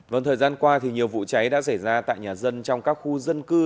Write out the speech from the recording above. vâng thời gian qua nhiều vụ cháy đã xảy ra tại nhà dân trong các khu dân cư